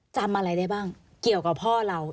จำอะไรได้บ้างเกี่ยวกับพ่อเรา